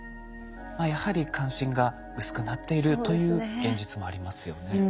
やはり関心が薄くなっているという現実もありますよね。